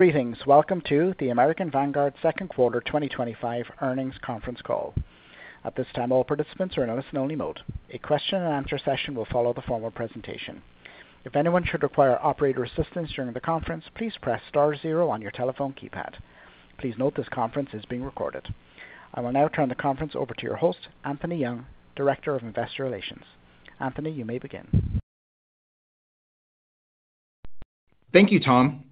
Greetings. Welcome to the American Vanguard Second Quarter twenty twenty five Earnings Conference Call. Please note this conference is being recorded. I will now turn the conference over to your host, Anthony Young, Director of Investor Investor Relations. Anthony, you may begin. Thank you, Tom.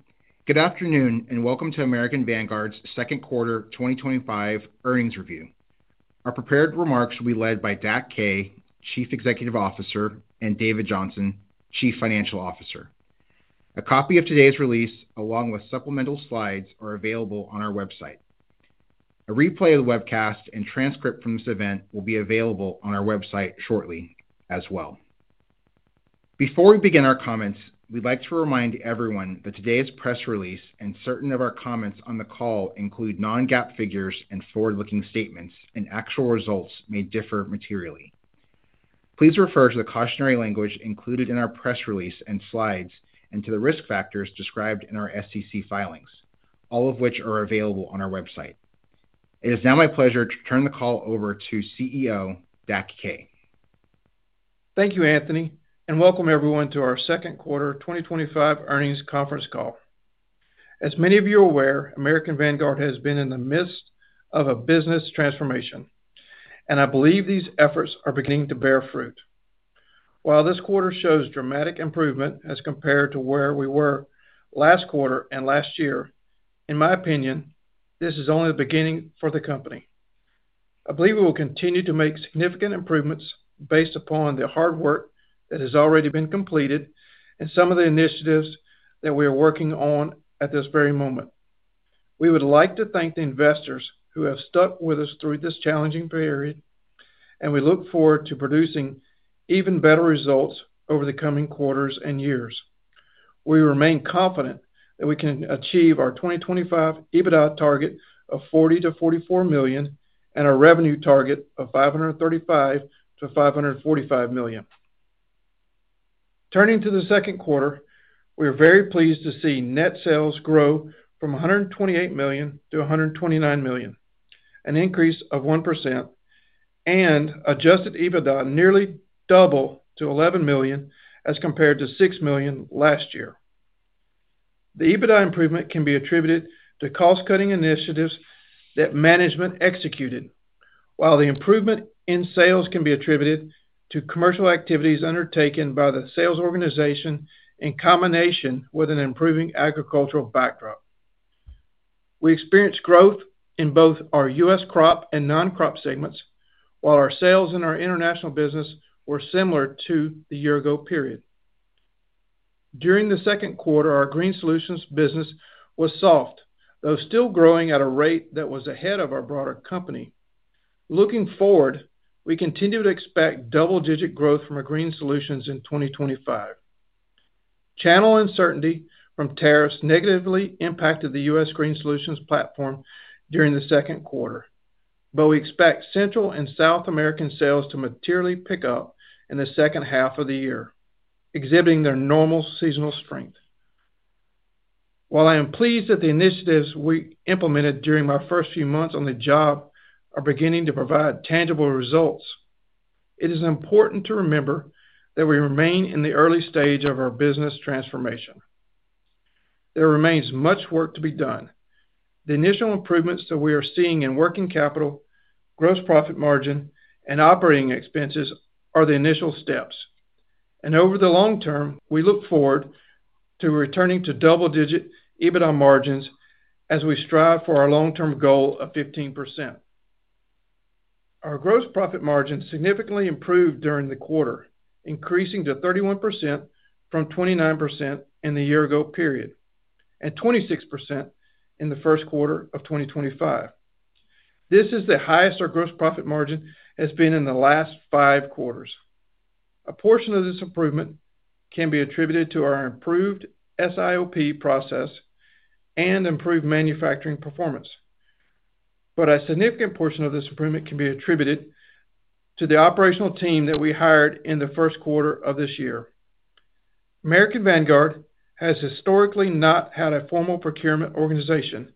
Good afternoon, and welcome to American Vanguard's Second Quarter twenty twenty five Earnings Review. Our prepared remarks will be led by Dak Kay, Chief Executive Officer and David Johnson, Chief Financial Officer. A copy of today's release along with supplemental slides are available on our website. A replay of the webcast and transcript from this event will be available on our website shortly as well. Before we begin our comments, we'd like to remind everyone that today's press release and certain of our comments on the call include non GAAP figures and forward looking statements, and actual results may differ materially. Please refer to the cautionary language included in our press release and slides and to the risk factors described in our SEC filings, all of which are available on our website. It is now my pleasure to turn the call over to CEO, Dak Kay. Thank you, Anthony, and welcome, everyone, to our second quarter twenty twenty five earnings conference call. As many of you are aware, American Vanguard has been in the midst of a business transformation, and I believe these efforts are beginning to bear fruit. While this quarter shows dramatic improvement improvement as compared to where we were last quarter and last year, in my opinion, this is only the beginning for the company. I believe we will continue to make significant improvements based upon the hard work that has already been completed and some of the initiatives that we are working on at this very moment. We would like to thank the investors who have stuck with us through this challenging period, and we look forward to producing even better results over the coming quarters and years. We remain confident that we can achieve our 2025 EBITDA target of 40,000,000 to 44,000,000 and our revenue target of 535 to 545,000,000. Turning to the second quarter, we are very pleased to see net sales grow from 128,000,000 to 129,000,000, an increase of 1% and adjusted EBITDA nearly double to 11,000,000 as compared to 6,000,000 last year. The EBITDA improvement can be attributed to cost cutting initiatives that management executed, while the improvement in sales can be attributed to commercial activities undertaken by the sales organization in combination with an improving agricultural backdrop. We experienced growth in both our US crop and non crop segments, while our sales in our international business were similar to the year ago period. During the second quarter, our green solutions business was soft, though still growing at a rate that was ahead of our broader company. Looking forward, we continue to expect double digit growth from our green solutions in 2025. Channel uncertainty from tariffs negatively impacted The US green solutions platform during the second quarter, but we expect Central and South American sales to materially pick up in the second half of the year, exhibiting their normal seasonal strength. While I am pleased that the initiatives we implemented during my first few months on the job are beginning to provide tangible results, it is important to remember that we remain in the early stage of our business transformation. There remains much work to be done. The initial improvements that we are seeing in working capital, gross profit margin, and operating expenses are the initial steps. And over the long term, we look forward to returning to double digit EBITDA margins as we strive for our long term goal of 15%. Our gross profit margin significantly improved during the quarter, increasing to 31% from 29% in the year ago period and 26% in the 2025. This is the highest our gross profit margin has been in the last five quarters. A portion of this improvement can be attributed to our improved SIOP process and improved manufacturing performance, but a significant portion of this improvement can be attributed to the operational team that we hired in the first quarter of this year. American Vanguard has historically not had a formal procurement organization,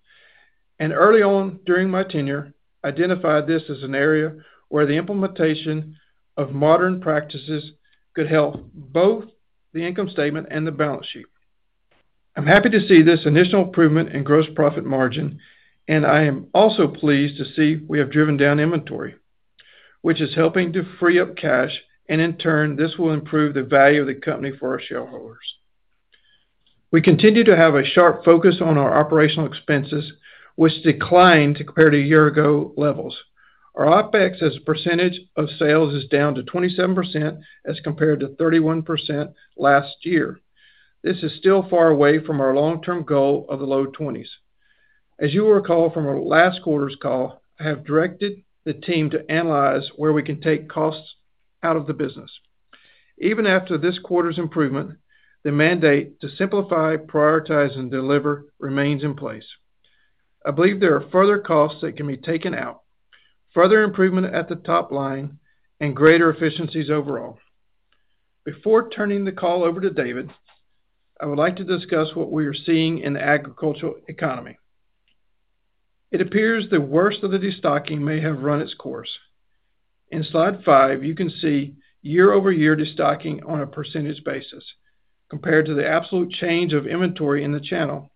and early on during my tenure, identified this as an area where the implementation of modern practices could help both the income statement and the balance sheet. I'm happy to see this initial improvement in gross profit margin, and I am also pleased to see we have driven down inventory, which is helping to free up cash. And in turn, this will improve the value of the company for our shareholders. We continue to have a sharp focus on our operational expenses, which declined compared to year ago levels. Our OpEx as a percentage of sales is down to 27% as compared to 31 last year. This is still far away from our long term goal of the low twenties. As you recall from our last quarter's call, I have directed the team to analyze where we can take costs out of the business. Even after this quarter's improvement, the mandate to simplify, prioritize, and deliver remains in place. I believe there are further costs that can be taken out, further improvement at the top line, and greater efficiencies overall. Before turning the call over to David, I would like to discuss what we are seeing in the agricultural economy. It appears the worst of the destocking may have run its course. In slide five, you can see year over year destocking on a percentage basis compared to the absolute change of inventory in the channel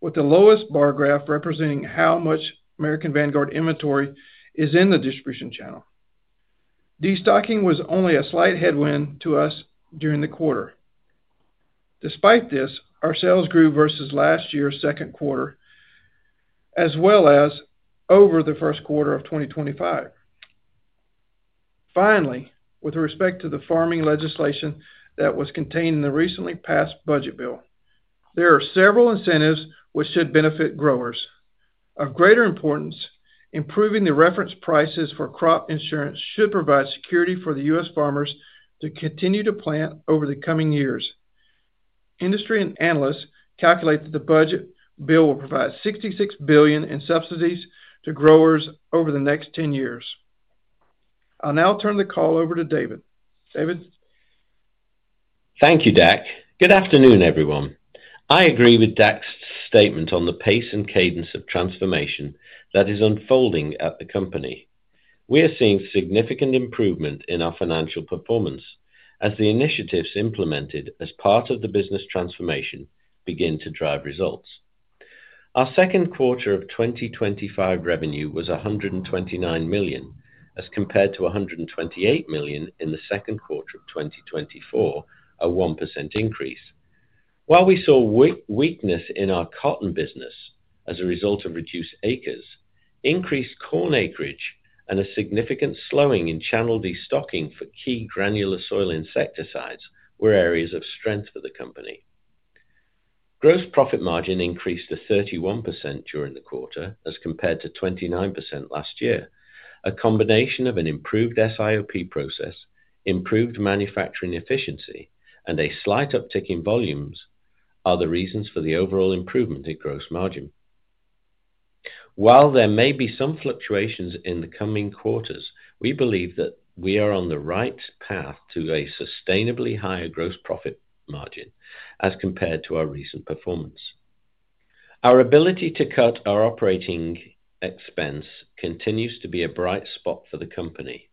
with the lowest bar graph representing how much American Vanguard inventory is in the distribution channel. Destocking was only a slight headwind to us during the quarter. Despite this, our sales grew versus last year's second quarter as well as over the 2025. Finally, with respect to the farming legislation that was contained in the recently passed budget bill, there are several incentives which should benefit growers. Of greater importance, improving the reference prices for crop insurance should provide security for The US farmers to continue to plant over the coming years. Industry and analysts calculate that the budget bill will provide 66,000,000,000 in subsidies to growers over the next ten years. I'll now turn the call over to David. David? Thank you, Dak. Good afternoon, everyone. I agree with Dak's statement on the pace and cadence of transformation that is unfolding at the company. We are seeing significant improvement in our financial performance as the initiatives implemented as part of the business transformation begin to drive results. Our 2025 revenue was $129,000,000 as compared to $128,000,000 in the 2024, a 1% increase. While we saw weakness in our cotton business as a result of reduced acres, increased corn acreage and a significant slowing in channel destocking for key granular soil insecticides were areas of strength for the company. Gross profit margin increased to 31% during the quarter as compared to 29% last year. A combination of an improved SIOP process, improved manufacturing efficiency and a slight uptick in volumes are the reasons for the overall improvement in gross margin. While there may be some fluctuations in the coming quarters, we believe that we are on the right path to a sustainably higher gross profit margin as compared to our recent performance. Our ability to cut our operating expense continues to be a bright spot for the company.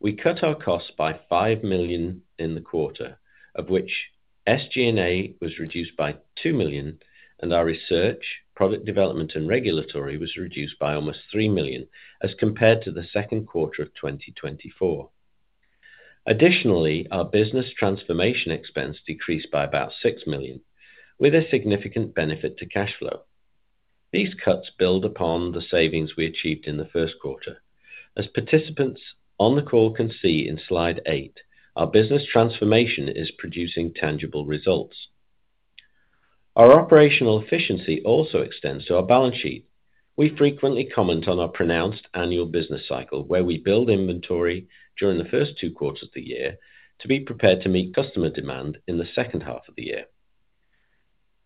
We cut our costs by $5,000,000 in the quarter, of which SG and A was reduced by $2,000,000 and our research, product development and regulatory was reduced by almost $3,000,000 as compared to the 2024. Additionally, our business transformation expense decreased by about 6,000,000 with a significant benefit to cash flow. These cuts build upon the savings we achieved in the first quarter. As participants on the call can see in Slide eight, our business transformation is producing tangible results. Our operational efficiency also extends to our balance sheet. We frequently comment on our pronounced annual business cycle where we build inventory during the first two quarters of the year to be prepared to meet customer demand in the second half of the year.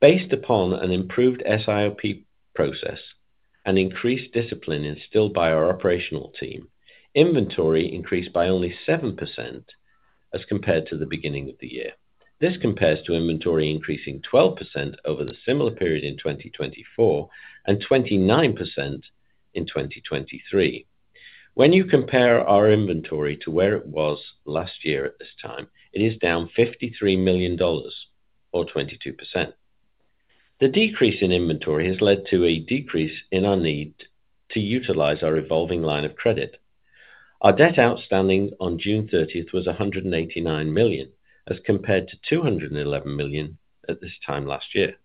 Based upon an improved SIOP process and increased discipline instilled by our operational team, inventory increased by only 7% as compared to the beginning of the year. This compares to inventory increasing 12% over the similar period in 2024 and twenty nine percent in 2023. When you compare our inventory to where it was last year at this time, it is down $53,000,000 or 22%. The decrease in inventory has led to a decrease in our need to utilize our revolving line of credit. Our debt outstanding on June 30 was $189,000,000 as compared to $211,000,000 at this time last year.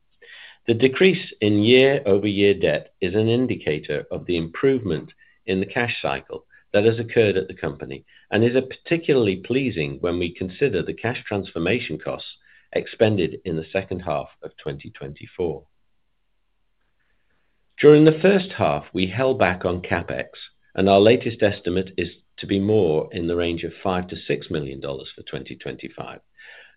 The decrease in year over year debt is an indicator of the improvement in the cash cycle that has occurred at the company and is particularly pleasing when we consider the cash transformation costs expended in the 2024. During the first half, we held back on CapEx, and our latest estimate is to be more in the range of 5,000,000 to $6,000,000 for 2025,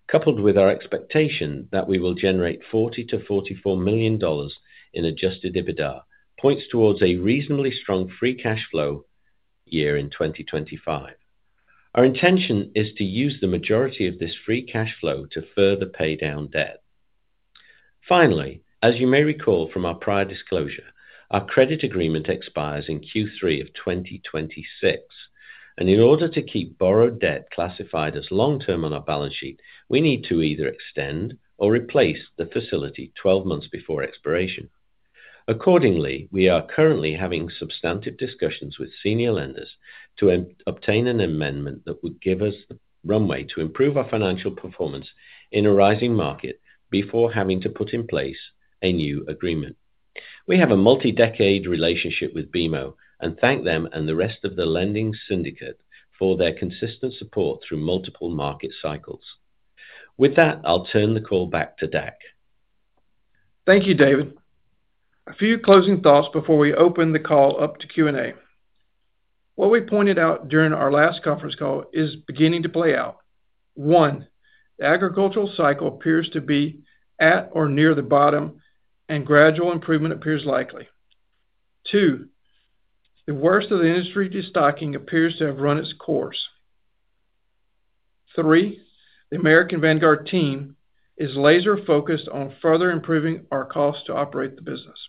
coupled with our expectation that we will generate 40,000,000 to $44,000,000 in adjusted EBITDA, points towards a reasonably strong free cash flow year in 2025. Our intention is to use the majority of this free cash flow to further pay down debt. Finally, as you may recall from our prior disclosure, our credit agreement expires in 2026. And in order to keep borrowed debt classified as long term on our balance sheet, we need to either extend or replace the facility 12 before expiration. Accordingly, we are currently having substantive discussions with senior lenders to obtain an amendment that would give us runway to improve our financial performance in a rising market before having to put in place a new agreement. We have a multi decade relationship with BMO and thank them and the rest of the lending syndicate for their consistent support through multiple market cycles. With that, I'll turn the call back to Dak. Thank you, David. A few closing thoughts before we open the call up to q and a. What we pointed out during our last conference call is beginning to play out. One, the agricultural cycle appears to be at or near the bottom and gradual improvement appears likely. Two, the worst of the industry destocking appears to have run its course. Three, the American Vanguard team is laser focused on further improving our cost to operate the business.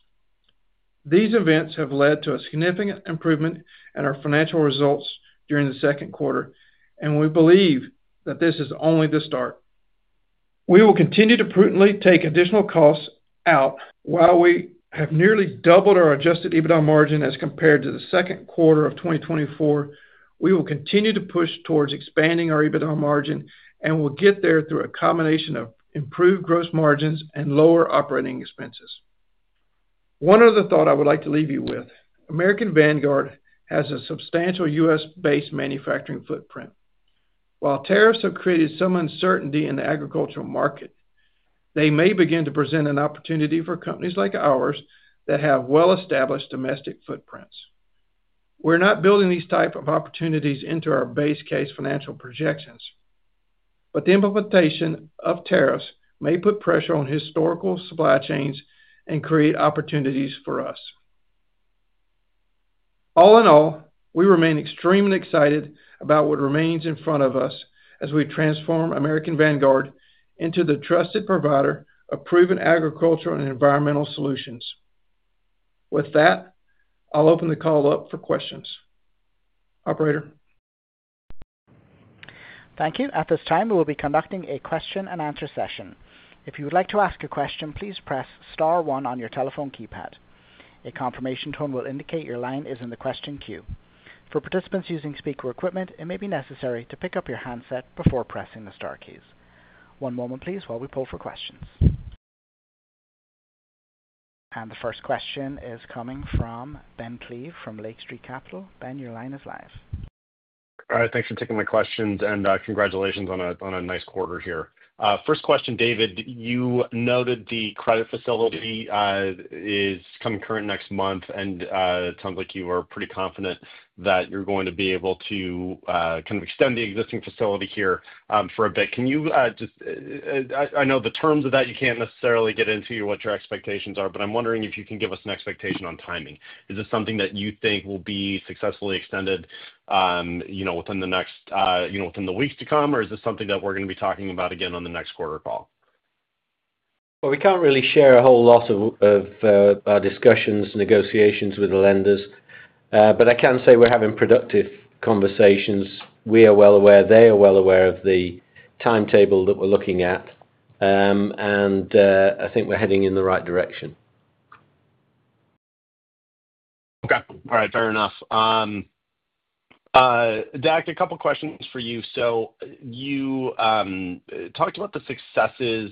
These events have led to a significant improvement in our financial results during the second quarter, and we believe that this is only the start. We will continue to prudently take additional costs out while we have nearly doubled our adjusted EBITDA margin as compared to the 2024. We will continue to push towards expanding our EBITDA margin and we'll get there through a combination of improved gross margins and lower operating expenses. One other thought I would like to leave you with, American Vanguard has a substantial US based manufacturing footprint. While tariffs have created some uncertainty in the agricultural market, they may begin to present an opportunity for companies like ours that have well established domestic footprints. We're not building these type of opportunities into our base case financial projections, but the implementation of tariffs may put pressure on historical supply chains and create opportunities for us. All in all, we remain extremely excited about what remains in front of us as we transform American Vanguard into the trusted provider of proven agricultural and environmental solutions. With that, I'll open the call up for questions. Operator? Thank you. At this time, we will be conducting a question and answer session. If you would like to ask a question, please press star one on your telephone keypad. A confirmation tone will indicate your line is in the question queue. And the first question is coming from Ben Klieve from Lake Street Capital. Ben, your line is live. All right. Thanks for taking my questions, and congratulations on a nice quarter here. First question, David, you noted the credit facility is coming current next month, and it sounds like you are pretty confident that you're going to be able to kind of extend the existing facility here for a bit. Can you just I I know the terms of that you can't necessarily get into what your expectations are, but I'm wondering if you can give us an expectation on timing. Is this something that you think will be successfully extended, you know, within the next, you know, within the weeks to come, or is this something that we're gonna be talking about again on the next quarter call? Well, we can't really share a whole lot of of, discussions, negotiations with the lenders. But I can say we're having productive conversations. We are well aware. They are well aware of the timetable that we're looking at, and, I think we're heading in the right direction. Okay. Alright. Fair enough. Dak, a couple questions for you. So you talked about the successes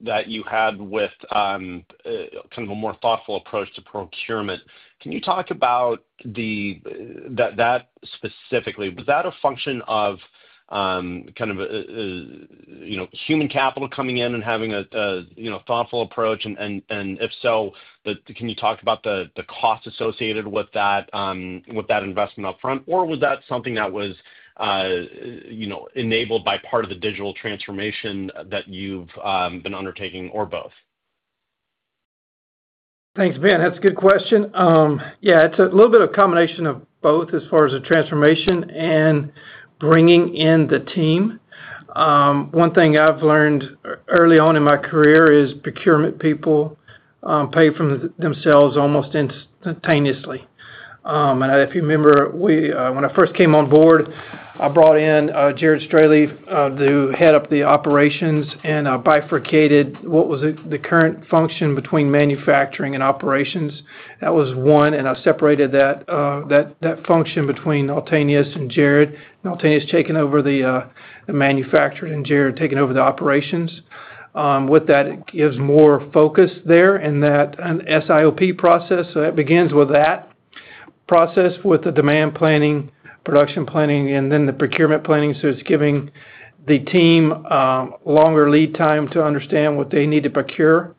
that you had with, kind of a more thoughtful approach to procurement. Can you talk about the that that specifically? Was that a function of, kind of, you know, human capital coming in and having a a, you know, thoughtful approach? And and and if so, can you talk about the the cost associated with that investment upfront? Or was that something that was enabled by part of the digital transformation that you've been undertaking or both? Thanks, Ben. That's a good question. Yeah. It's a little bit of a combination of both as far as the transformation and bringing in the team. One thing I've learned early on in my career is procurement people pay from themselves almost instantaneously. And if you remember, when I first came on board, I brought in Jared Strelief, the head of the operations and bifurcated what was the current function between manufacturing manufacturing and operations. That was one. And I separated that function between Altenis and Jared. And Altenis taking over the manufacturing and Jared taking over the operations. With that, it gives more focus there in that SIOP process. So that begins with that process with the demand planning, production planning, and then the procurement planning. So it's giving the team longer lead time to understand what they need to procure.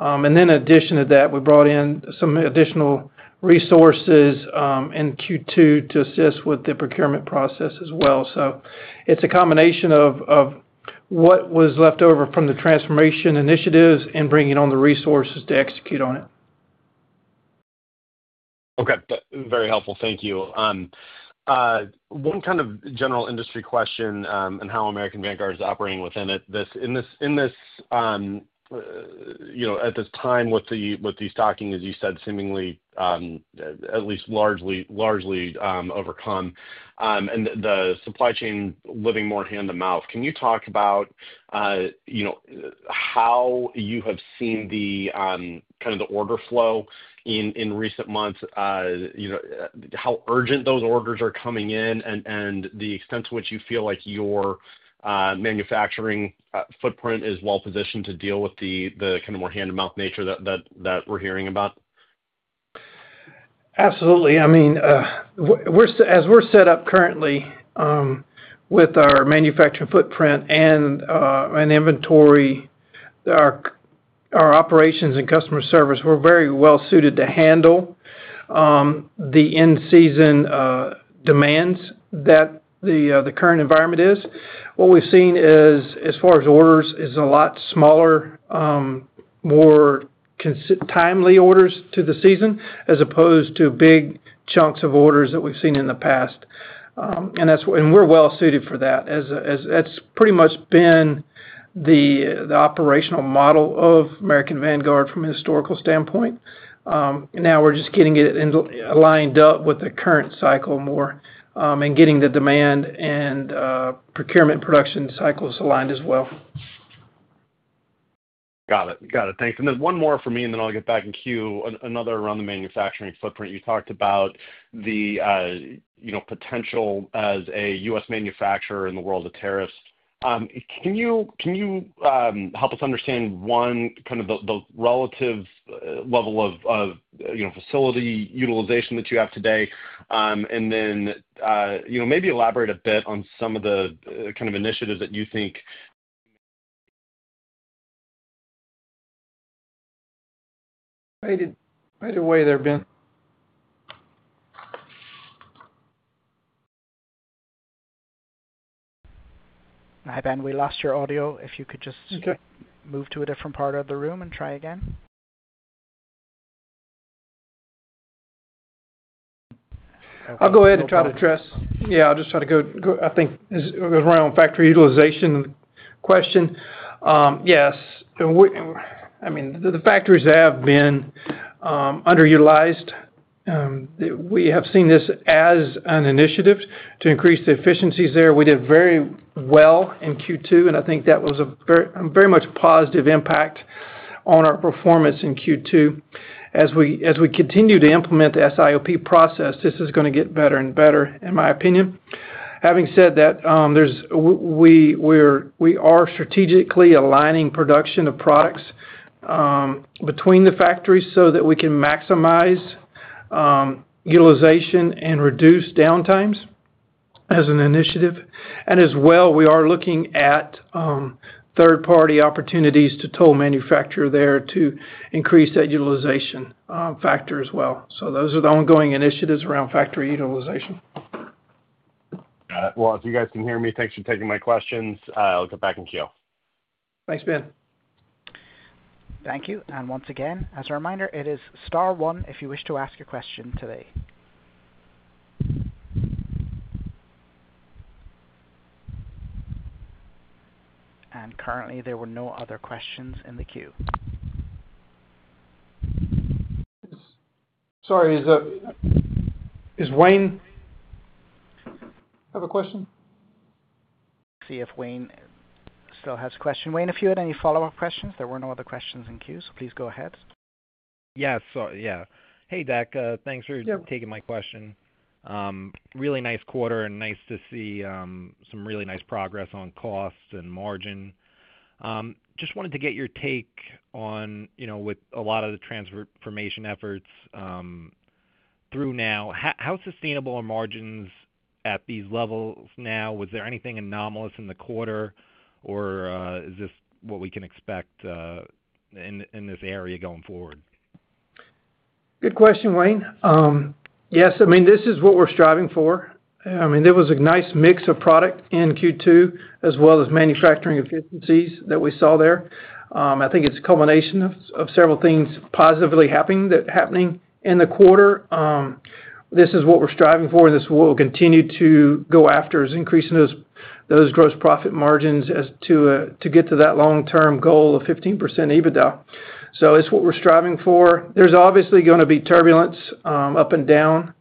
And then in addition to that, we brought in some additional resources in q two to assist with the procurement process as well. So it's a combination of of what was left over from the transformation initiatives and bringing on the resources to execute on it. Okay. Very helpful. Thank you. One kind of general industry question and how American Vanguard is operating within it. This in this in this, you know, at this time with the with destocking, as you said, seemingly, at least largely largely, overcome, and the the supply chain living more hand to mouth. Can you talk about, you know, how you have seen the, kind of the order flow in in recent months? You know, how urgent those orders are coming in and and the extent to which you feel like your manufacturing footprint is well positioned to deal with the the kind of more hand to mouth nature that that that we're hearing about? Absolutely. I mean, we're as we're set up currently with our manufacturing footprint and an inventory, our operations and customer service, we're very well suited to handle the in season demands that the the current environment is. What we've seen is, as far as orders, is a lot smaller, more timely orders to the season as opposed to big chunks of orders that we've seen in the past. And that's and we're well suited for that as as that's pretty much been the the operational model of American Vanguard from historical standpoint. Now we're just getting it into aligned up with the current cycle more and getting the demand and procurement production cycles aligned as well. Got it. Got it. Thanks. And then one more for me and then I'll get back in queue. Another around the manufacturing footprint. You talked about the potential as a US manufacturer in the world of tariffs. Can you can you, help us understand, one, kind of the the relative level of of, you know, facility utilization that you have today? And then, you know, maybe elaborate a bit on some of the kind of initiatives that you think either way there, Ben. Hi, Ben. We lost your audio. If you could just Okay. Move to a different part of the room and try again. I'll go ahead and try to address yeah. I'll just try to go go I think it was around factory utilization question. Yes. I mean, the factories have been underutilized. We have seen this as an initiative to increase the efficiencies there. We did very well in Q2 and I think that was a very much positive impact on our performance in Q2. As we continue to implement the SIOP process, this is gonna get better and better in my opinion. Having said that, we are strategically aligning production of products between the factories so that we can maximize utilization and reduce downtimes as an initiative. And as well, we are looking at third party opportunities to toll manufacturer there to increase that utilization factor as well. So those are the ongoing initiatives around factory utilization. Got it. Well, if you guys can hear me, thanks for taking my questions. I'll get back in queue. Thanks, Ben. Thank you. And once again, as a reminder, it is star one if you wish to ask a question today. And currently, there were no other questions in the queue. Sorry. Is is Wayne have a question? See if Wayne still has a question. Wayne, if you had any follow-up questions, there were no other questions in queue. So please go ahead. Yes. So yeah. Hey, Deck. Thanks for Really taking my nice quarter and nice to see some really nice progress on costs and margin. Just wanted to get your take on with a lot of the transformation efforts through now, how sustainable are margins at these levels now? Was there anything anomalous in the quarter? Or is this what we can expect in this area going forward? Good question, Wayne. Yes. I mean, this is what we're striving for. I mean, there was a nice mix of product in Q2 as well as manufacturing efficiencies that we saw there. I think it's a combination of several things positively happening in the quarter. This is what we're striving for. This will continue to go after is increasing those gross profit margins as to to get to that long term goal of 15% EBITDA. So it's what we're striving for. There's obviously gonna be turbulence up and down,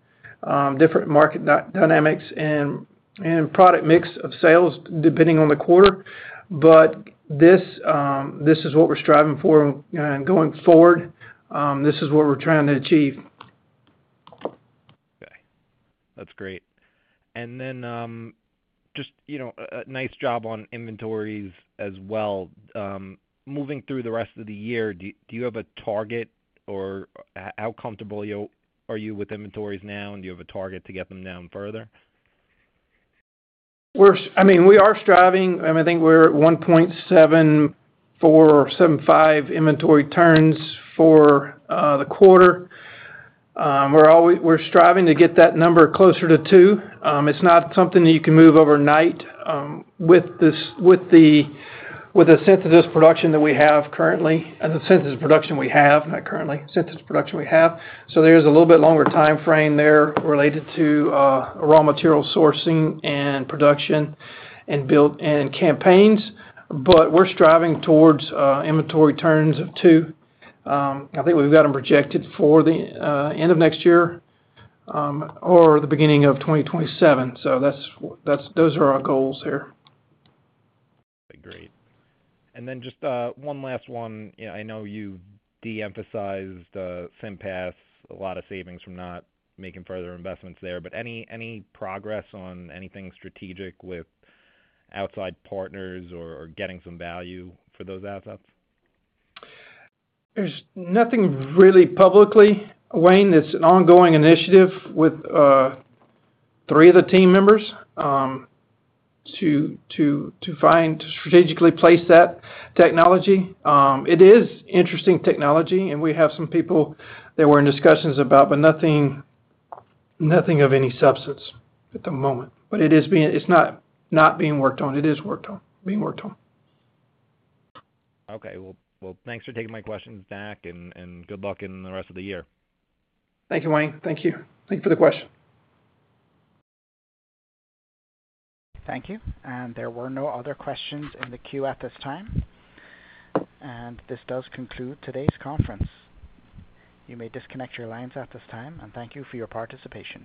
different market dynamics, and and product mix of sales depending on the quarter. But this this is what we're striving for going forward. This is what we're trying to achieve. K. That's great. And then just, you know, nice job on inventories as well. Moving through the rest of the year, do do you have a target? Or how comfortable are you with inventories now, and do you have a target to get them down further? I mean, we are striving. I mean, I think we're at 1.7475 inventory turns for the quarter. We're striving to get that number closer to two. It's not something that you can move overnight with the synthesis production that we have currently. And the synthesis production we have, not currently, synthesis production we have. So there's a little bit longer time frame there related to raw material sourcing and production and built in campaigns, but we're striving towards inventory turns of two. I think we've got them projected for the end of next year or the 2027. So that's that's those are our goals here. Great. And then just one last one. Yeah. I know you deemphasized SIMPAS, a lot of savings from not making further investments there. But any any progress on anything strategic with outside partners or or getting some value for those assets? There's nothing really publicly, Wayne. It's an ongoing initiative with three of the team members to to to find strategically place that technology. It is interesting technology, and we have some people that we're in discussions about, but nothing nothing of any substance at the moment. But it is being it's not not being worked on. It is worked on being worked on. Okay. Well well, thanks for taking my questions, Mac, and and good luck in the rest of the year. Thank you, Wayne. Thank you. Thanks for the question. Thank you. And there were no other questions in the queue at this time. And this does conclude today's conference. You may disconnect your lines at this time, and thank you for your participation.